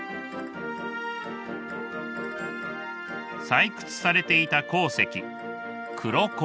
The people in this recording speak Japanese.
採掘されていた鉱石黒鉱です。